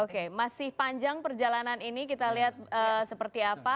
oke masih panjang perjalanan ini kita lihat seperti apa